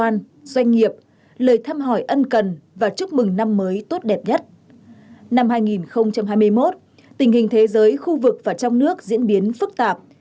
năm hai nghìn hai mươi một tình hình thế giới khu vực và trong nước diễn biến phức tạp